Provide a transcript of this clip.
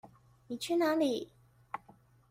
妳去哪裡？